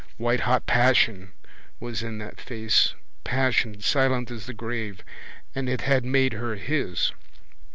Whitehot passion was in that face, passion silent as the grave, and it had made her his.